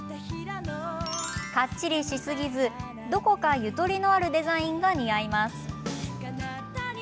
かっちりしすぎずどこか、ゆとりのあるデザインが似合います。